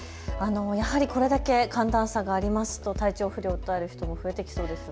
やはりこれだけ寒暖差がありますと体調不良を訴える人も増えてきそうですが。